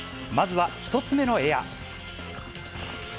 まずは１つ目のエア。